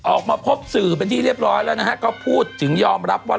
ออกมาพบสื่อเป็นที่เรียบร้อยแล้วนะฮะก็พูดถึงยอมรับว่า